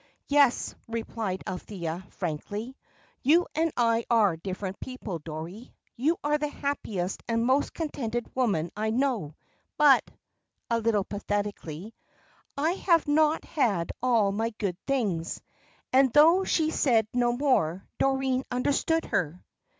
"Yes," replied Althea, frankly, "you and I are different people, Dorrie. You are the happiest and most contented woman I know; but" a little pathetically "I have not had all my good things." And, though she said no more, Doreen understood her.